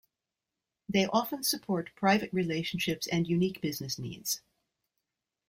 They often support private relationships and unique business needs.